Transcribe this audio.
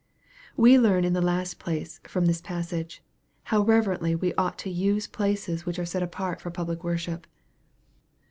We learn, in the last place, from this passage, how reverently we ought to use places which are set apart far public worship.